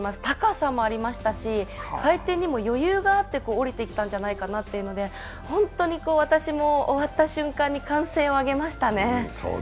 高さもありましたし、回転にも余裕があって下りてきたんじゃないかなというので、本当に私も終わった瞬間を歓声を上げましたね。